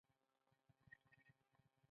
د ډېرو خلکو بله ستره کمزوري يوه بده تېروتنه ده.